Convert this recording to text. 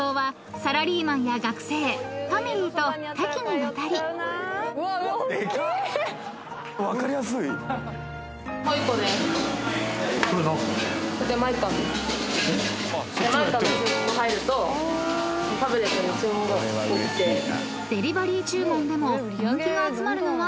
［デリバリー注文でも人気が集まるのは当然のこと］